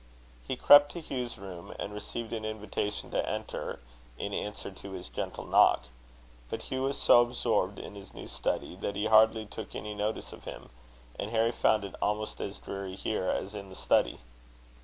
He crept to Hugh's room, and received an invitation to enter, in answer to his gentle knock; but Hugh was so absorbed in his new study, that he hardly took any notice of him, and Harry found it almost as dreary here as in the study.